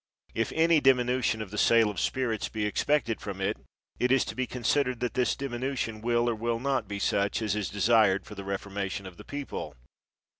If any diminution of the sale of spirits be expected from it, it is to be considered that this diminution will, or will not, be such as is desired for the reformation of the people.